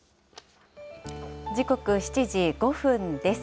時刻７時５分です。